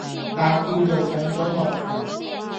但叫做上咗岸